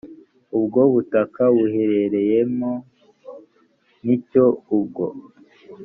ubwo butaka buherereyemo n’icyo ubwo